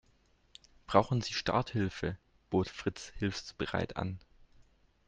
Brauchen Sie Starthilfe?, bot Fritz hilfsbereit an.